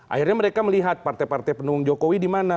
akhirnya mereka melihat partai partai pendukung jokowi di mana